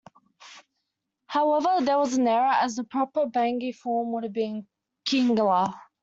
However, this was an error, as the proper Bangi form would have been "Kingala".